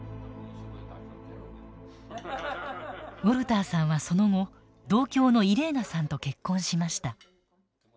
ウォルターさんはその後同郷のイレーナさんと結婚しました。